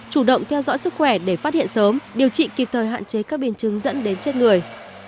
chủ động theo dõi sức khỏe để phát hiện sớm điều trị kịp thời hạn chế các biến chứng dẫn đến chết người